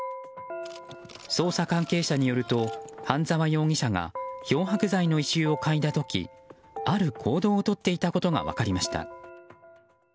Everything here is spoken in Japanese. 捜査関係者によると半沢容疑者が漂白剤の異臭をかいだ時ある行動をとっていたことが分かりました。